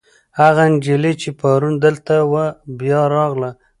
هغه نجلۍ چې پرون دلته وه، بیا راغله.